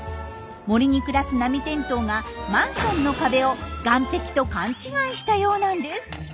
森に暮らすナミテントウがマンションの壁を岩壁と勘違いしたようなんです。